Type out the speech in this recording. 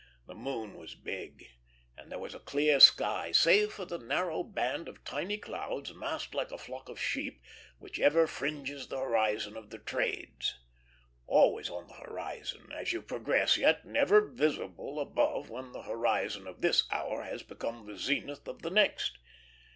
The moon was big, and there was a clear sky, save for the narrow band of tiny clouds, massed like a flock of sheep, which ever fringes the horizon of the trades; always on the horizon, as you progress, yet never visible above when the horizon of this hour has become the zenith of the next.